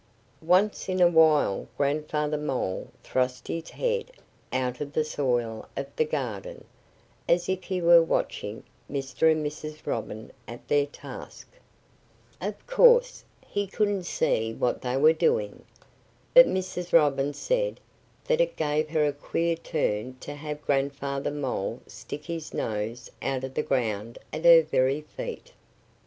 Once in a while Grandfather Mole thrust his head out of the soil of the garden, as if he were watching Mr. and Mrs. Robin at their task. Of course he couldn't see what they were doing. But Mrs. Robin said that it gave her a queer turn to have Grandfather Mole stick his nose out of the ground at her very feet.